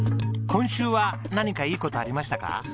今週は何かいい事ありましたか？